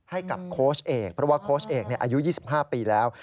ให้กับโค้ชเอกเพราะว่าโค้ชเอกอายุ๒๕ปีแล้ว